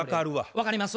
分かります？